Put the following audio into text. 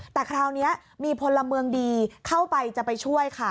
แต่คราวนี้มีพลเมืองดีเข้าไปจะไปช่วยค่ะ